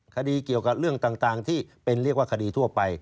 คดีเกี่ยวกับเรื่องต่างที่เป็นเรียกว่าคดีทั่วไป